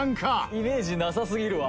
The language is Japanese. イメージなさすぎるわ。